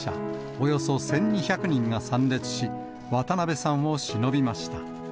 およそ１２００人が参列し、渡辺さんをしのびました。